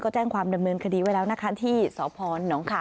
แจ้งความดำเนินคดีไว้แล้วนะคะที่สพนขา